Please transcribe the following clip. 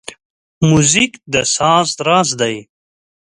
موزیک د ساز راز دی.